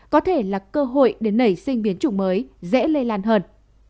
có thể là cơ hội để nảy sinh biến chủng mới dễ lây lan hơn